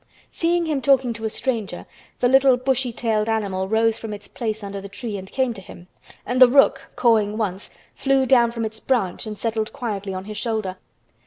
Seeing him talking to a stranger, the little bushy tailed animal rose from its place under the tree and came to him, and the rook, cawing once, flew down from its branch and settled quietly on his shoulder.